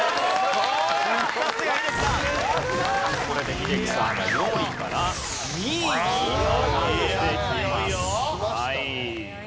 これで英樹さんが４位から２位に上がってきます。